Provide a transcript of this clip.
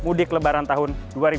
mudik lebaran tahun dua ribu dua puluh